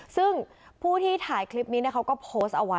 ซึ่งผู้ที่ถ่ายคลิปนี้เขาก็โพสต์เอาไว้